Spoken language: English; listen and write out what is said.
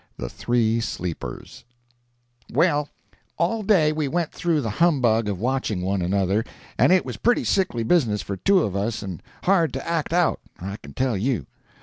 THE THREE SLEEPERS Well, all day we went through the humbug of watching one another, and it was pretty sickly business for two of us and hard to act out, I can tell you.